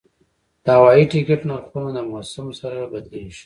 د هوایي ټکټ نرخونه د موسم سره بدلېږي.